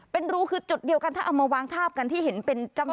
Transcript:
เป็นรูคือจุดเดียวกันถ้าเอามาวางทาบกันที่เห็นเป็นจังห